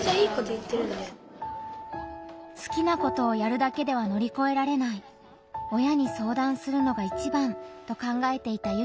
好きなことをやるだけでは乗り越えられない親に相談するのがいちばんと考えていた幸那さん。